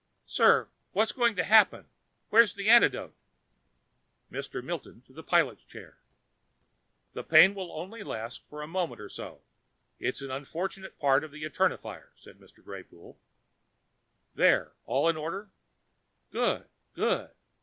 "Sir, what's going to happen? Where's the antidote?" Mr. Milton to the pilot's chair.... "The pain will last only another moment or so it's unfortunately part of the Eternifier," said Mr. Greypoole. "There, all in order? Good, good.